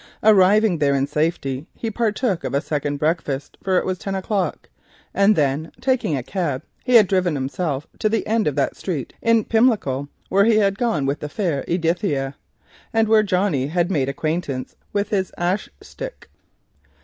Arriving there in safety he partook of a second breakfast, for it was ten o'clock, and then hiring a cab caused himself to be driven to the end of that street in Pimlico where he had gone with the fair "Edithia" and where Johnnie had made acquaintance with his ash stick.